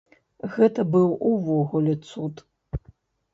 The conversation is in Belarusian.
Гэта быў увогуле цуд.